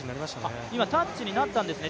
今、タッチになったんですね